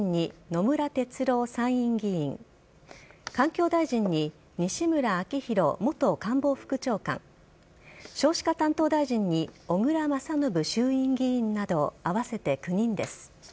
野村哲郎参院議員環境大臣に西村明宏元官房副長官少子化担当大臣に小倉将信衆院議員など合わせて９人です。